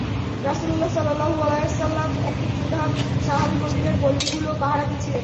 রাসূলুল্লাহ সাল্লাল্লাহু আলাইহি ওয়াসাল্লামের একদল যোদ্ধা সাহাবী মদীনার পল্লীগুলো পাহারা দিচ্ছিলেন।